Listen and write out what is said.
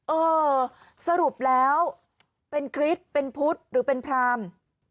เออสรุปแล้วเป็นคริสต์เป็นพุทธหรือเป็นพราม